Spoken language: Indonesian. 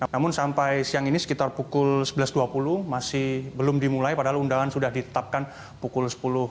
namun sampai siang ini sekitar pukul sebelas dua puluh masih belum dimulai padahal undangan sudah ditetapkan pukul sepuluh